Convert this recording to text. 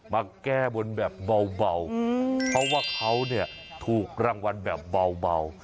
มาแก้บนแบบเบาเพราะว่าเขาเนี่ยถูกรางวัลแบบเบา